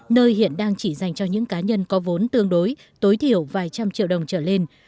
nơi hiện đang chỉ dành cho những cá nhân có vốn tương đối tối thiểu vài trăm triệu đồng trở lên